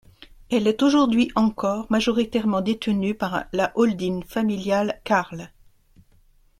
Elle est aujourd'hui encore majoritairement détenue par la holding familiale Carle.